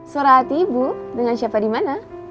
suara hati ibu dengan siapa di mana